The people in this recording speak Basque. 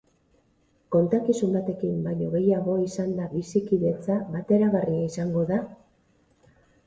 Kontakizun batekin baino gehiago izanda bizikidetza bateragarria izango da?